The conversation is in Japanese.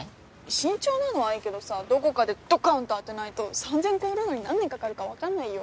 慎重なのはいいけどさどこかでドカンと当てないと３０００個売るのに何年かかるか分かんないよ？